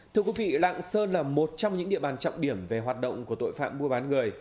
thưa quý vị lạng sơn là một trong những địa bàn trọng điểm về hoạt động của tội phạm mua bán người